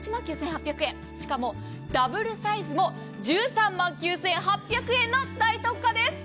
しかも、ダブルサイズも１３万９８００円の大特価です。